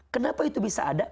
kenapa itu bisa ada